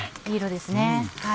いい色です。